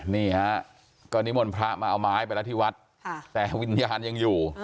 เนี่ยก็นิมวลพระพามาเอาไม้ที่วัดแต่วิญญาณยังอยู่